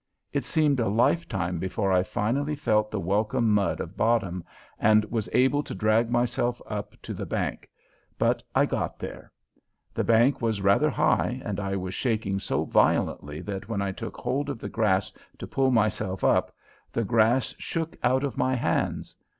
It seemed a lifetime before I finally felt the welcome mud of bottom and was able to drag myself up to the bank, but I got there. The bank was rather high, and I was shaking so violently that when I took hold of the grass to pull myself up, the grass shook out of my hands.